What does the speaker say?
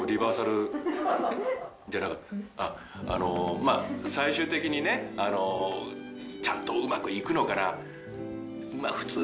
まぁ最終的にねちゃんとうまく行くのかな？ね？